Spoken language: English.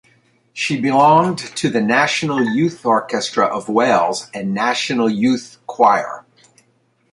She belonged to the National Youth Orchestra of Wales and the National Youth Choir.